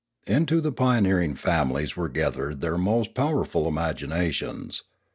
Into the pioneering families were gathered their most powerful imaginations.